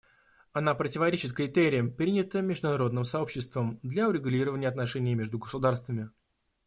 Она противоречит критериям, принятым международным сообществом для урегулирования отношений между государствами.